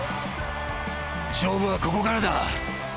勝負はここからだ！